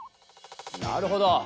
なるほど。